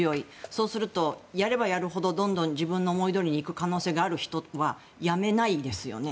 そうすると、やればやるほどどんどん自分の思いどおりにいく可能性がある人はやめないですよね。